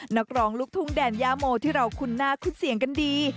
นักร้องลูกทุ่งแดนย่าโมที่เราคุ้นหน้าคุ้นเสียงกันดี